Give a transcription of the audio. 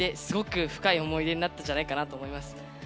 すごく深い思い出になったんじゃないかなと思います。